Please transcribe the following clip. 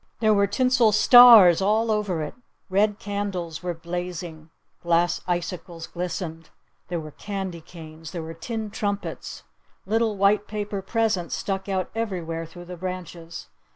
There were tinsel stars all over it! Red candles were blazing! Glass icicles glistened! There were candy canes! There were tin trumpets! Little white paper presents stuck out everywhere through the branches!